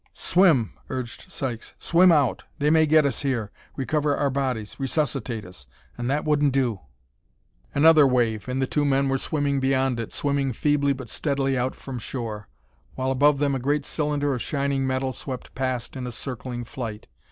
"Swim!" urged Sykes. "Swim out! They may get us here recover our bodies resuscitate us. And that wouldn't do!" Another wave, and the two men were swimming beyond it; swimming feebly but steadily out from shore, while above them a great cylinder of shining metal swept past in a circling flight.